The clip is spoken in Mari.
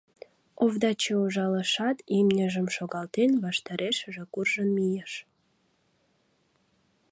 Овдачи ужалышат, имньыжым шогалтен, ваштарешыже куржын мийыш.